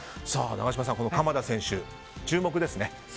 永島さん鎌田選手、注目ですね。